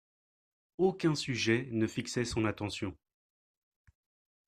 Aucun sujet ne fixait son attention.